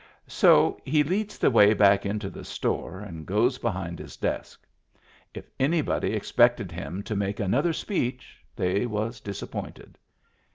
So he leads the way back into the store and goes behind his desk. If anybody e3q)ected him to make another speech they was disappointed.